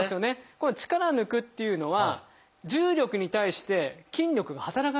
この力を抜くっていうのは重力に対して筋力が働かなくなるんです。